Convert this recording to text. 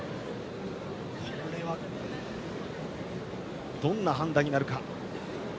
これはどんな判断になるか。